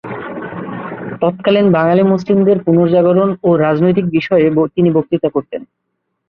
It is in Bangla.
তৎকালীন বাঙালি মুসলিমদের পুনর্জাগরণ ও রাজনৈতিক বিষয়ে তিনি বক্তৃতা করতেন।